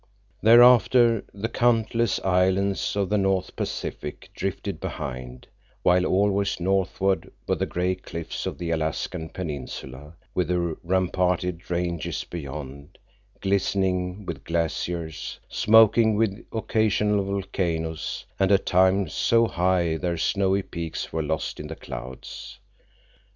Thereafter the countless islands of the North Pacific drifted behind, while always northward were the gray cliffs of the Alaskan Peninsula, with the ramparted ranges beyond, glistening with glaciers, smoking with occasional volcanoes, and at times so high their snowy peaks were lost in the clouds.